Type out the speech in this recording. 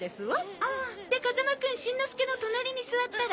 じゃあ風間くんしんのすけの隣に座ったら？